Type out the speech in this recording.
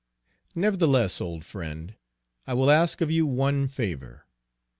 Nevertheless, old friend, I will ask of you one favor.